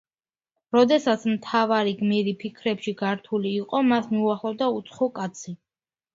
როდესაც მთავარი გმირი ფიქრებში გართული იყო მას მიუახლოვდა უცხო კაცი.